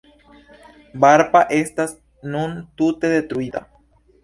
Barpa estas nun tute detruita.